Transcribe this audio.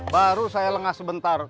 baru saya lengah sebentar